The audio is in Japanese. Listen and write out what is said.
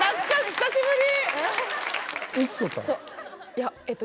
久しぶり！